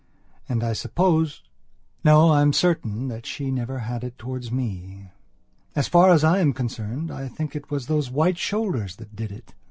And I supposeno I am certain that she never had it towards me. As far as I am concerned I think it was those white shoulders that did it.